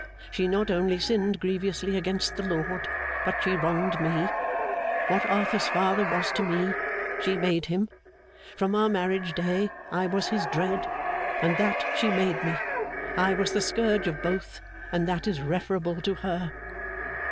She not only sinned grievously against the Lord, but she wronged me. What Arthur's father was to me, she made him. From our marriage day I was his dread, and that she made me. I was the scourge of both, and that is referable to her.